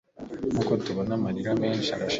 nkuko tubona amarira menshi asharira